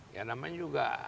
ya namanya juga